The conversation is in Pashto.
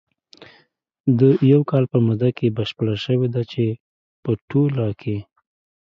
د یوه کال په موده کې بشپره شوې ده، چې په ټوله کې